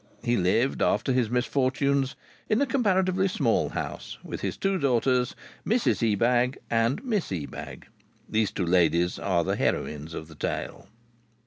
He lived, after his misfortunes, in a comparatively small house with his two daughters, Mrs Ebag and Miss Ebag. These two ladies are the heroines of the tale.